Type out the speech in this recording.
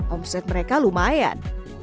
omset mereka lumayan